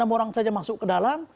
enam orang saja masuk ke dalam